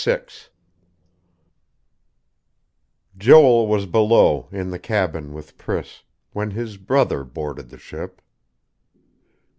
VI Joel was below, in the cabin with Priss, when his brother boarded the ship.